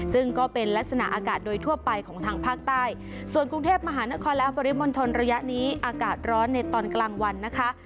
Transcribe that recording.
ซึ่งก็เป็นลักษณะอากาศโดยทั่วไปของทางภาคใต้ส่วนกรุงเทพมหานครและปริมณฑลระยะนี้อากาศร้อนในตอนกลางวันนะคะ